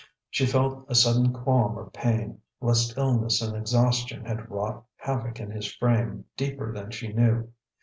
She felt a sudden qualm of pain, lest illness and exhaustion had wrought havoc in his frame deeper than she knew.